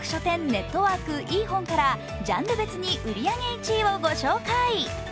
ネットワークｅ−ｈｏｎからジャンル別に売り上げ１位を御紹介。